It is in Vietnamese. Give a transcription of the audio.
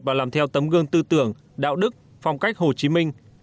và làm theo tấm gương tư tưởng đạo đức phong cách hồ chí minh